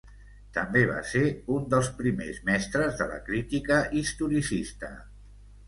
També va ser un dels primers mestres de la crítica historicista.